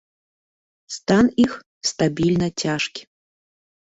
Стан іх стабільна цяжкі.